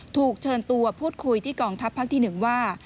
ถูกเชิญตัวพูดคุยที่กองทัพภาคที่๑ว่า